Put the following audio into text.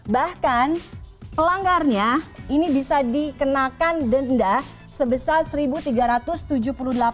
bahkan pelanggarnya ini bisa dikenakan denda sebesar rp satu tiga ratus